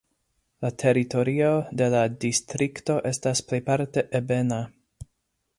La teritorio de la distrikto estas plejparte ebena.